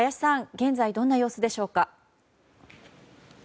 現在どんな様子でしょうか。